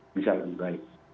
bisa lebih baik